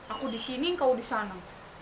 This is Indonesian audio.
aku di sini engkau di sana